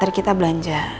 tadi kita belanja